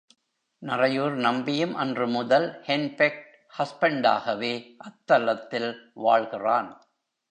நறையூர் நம்பியும், அன்று முதல் ஹென்பெக்ட் ஹஸ்பெண்டாகவே அத்தலத்தில் வாழ்கிறான்!